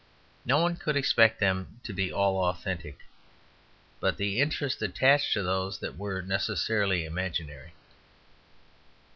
No one could expect them to be all authentic; but the interest attached to those that were necessarily imaginary.